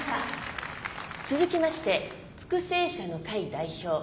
続きまして復生者の会代表